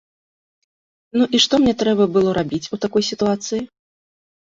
Ну і што мне трэба было рабіць у такой сітуацыі?